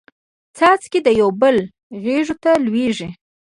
څانګې د یوبل غیږو ته لویږي